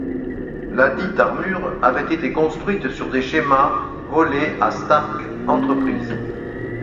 Ladite armure avait été construite sur des schémas volés à Stark Enterprises.